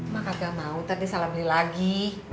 mak agak mau tadi salah beli lagi